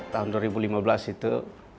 tahun dua ribu lima belas itu